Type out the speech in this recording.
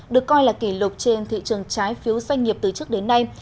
được coi là kỷ lục trên thị trường trái phiếu doanh nghiệp từ trước đến nay